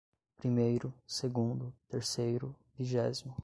primeiro, segundo, terceiro, vigésimo